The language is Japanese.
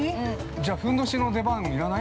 ◆じゃあ、ふんどしの出番要らない？